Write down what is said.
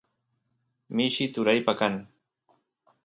mishi turaypa kan